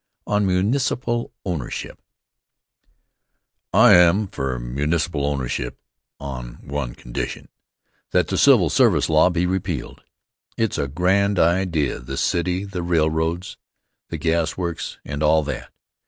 On Municipal Ownership I AM for municipal ownership on one condition: that the civil service law be repealed. It's a grand idea the city the railroads, the gas works and all that.